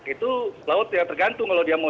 itu pelaut ya tergantung kalau dia mau